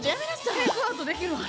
テイクアウトできるんか？